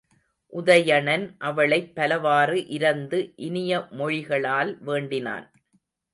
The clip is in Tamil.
உதயணன் அவளைப் பலவாறு இரந்து இனிய மொழிகளால் வேண்டினான்.